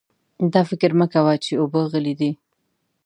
دا فکر مه کوه چې اوبه غلې دي.